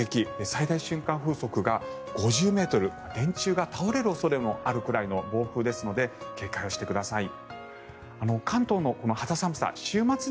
最大瞬間風速が５０ｍ電柱が倒れる恐れもあるくらいの暴風ですので警戒をしてください。